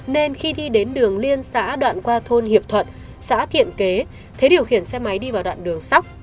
nên khi đi đến đường liên xã đoạn qua thôn hiệp thuận xã thiện kế thế điều khiển xe máy đi vào đoạn đường sóc